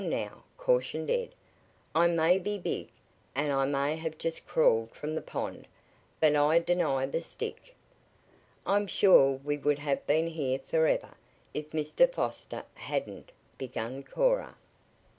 now!" cautioned Ed. "I may be big, and I may have just crawled from the pond, but I deny the stick." "I'm sure we would have been here forever if Mr. Foster hadn't " began Cora.